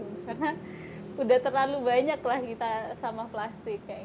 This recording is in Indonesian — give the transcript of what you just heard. karena udah terlalu banyak lah kita sampah plastik kayak gitu